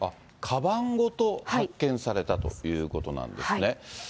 かばんごと発見されたということなんですね。